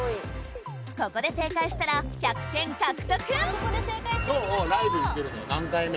ここで正解したら１００点獲得！